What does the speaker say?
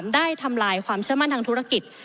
ทำลายความเชื่อมั่นทางธุรกิจ